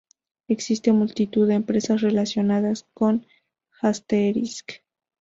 Existen multitud de empresas relacionadas con Asterisk.